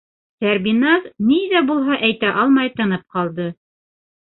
- Сәрбиназ ни ҙә булһа әйтә алмай тынып ҡалды.